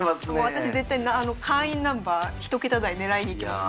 私絶対会員ナンバー１桁台狙いにいきます。